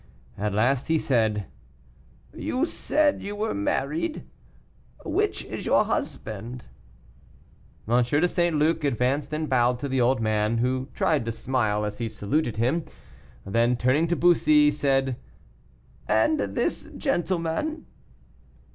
At last, he said, "You said you were married; which is your husband?" M. de St. Luc advanced and bowed to the old man, who tried to smile as he saluted him; then, turning to Bussy, said, "And this gentleman?"